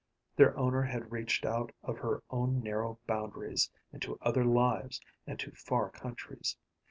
Their owner had reached out of her own narrow boundaries into other lives and into far countries.